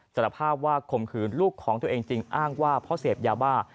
สารภาพว่าข่มขืนลูกของตัวเองจริงอ้างว่าเพราะเสพยาบ้า